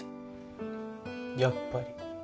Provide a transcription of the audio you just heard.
やっぱり。